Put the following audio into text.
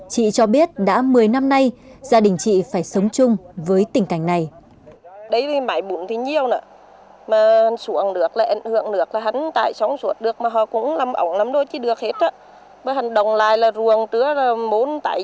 chị cho biết đã một mươi năm nay gia đình chị phải sống chung với tình cảnh này